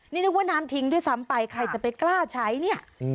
นี่นึกว่าน้ำทิ้งด้วยซ้ำไปใครจะไปกล้าใช้เนี่ย